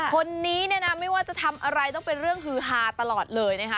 คนนี้ไม่ว่าจะทำอะไรต้องเป็นเรื่องคือฮาตลอดเลย